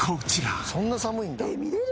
そんな寒いんだ。